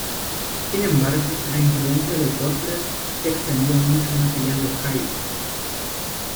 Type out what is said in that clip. Sin embargo, la influencia de Butler se extendió mucho más allá de Ohio.